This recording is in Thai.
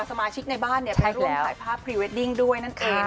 สมาชิกในบ้านไปร่วมถ่ายภาพพรีเวดดิ้งด้วยนั่นเอง